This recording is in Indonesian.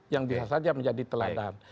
yang bisa saja menjadi teladan